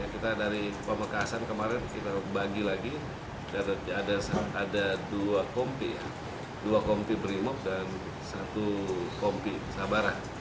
kita dari pamekasan kemarin kita bagi lagi ada dua kompi dua kompi berimob dan satu kompi sabara